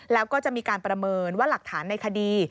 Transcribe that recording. แล้วก็จะมีการประเมินว่าหลักฐานในคดี